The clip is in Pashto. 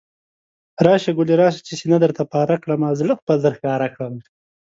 راشه ګلي راشه، چې سينه درته پاره کړمه، زړه خپل درښکاره کړمه